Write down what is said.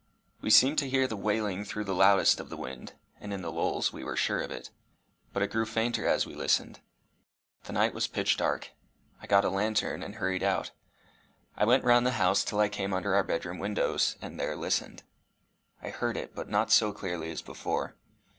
We seemed to hear the wailing through the loudest of the wind, and in the lulls were sure of it. But it grew fainter as we listened. The night was pitch dark. I got a lantern, and hurried out. I went round the house till I came under our bed room windows, and there listened. I heard it, but not so clearly as before.